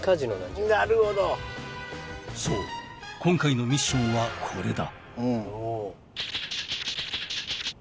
なるほど「そう今回のミッションはこれだ」